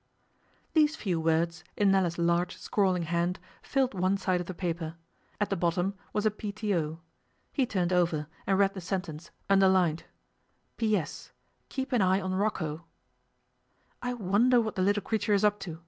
These few words, in Nella's large scrawling hand, filled one side of the paper. At the bottom was a P.T.O. He turned over, and read the sentence, underlined, 'P.S. Keep an eye on Rocco.' 'I wonder what the little creature is up to?